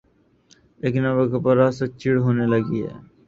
لیکن اب اخبارات سے چڑ ہونے لگی ہے۔